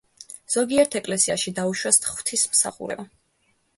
ზოგიერთ ეკლესიაში დაუშვეს ღვთისმსახურება.